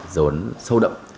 dốn sâu đậm